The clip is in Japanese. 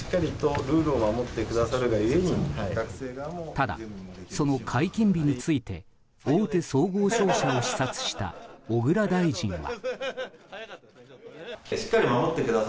ただ、その解禁日について大手総合商社を視察した小倉大臣は。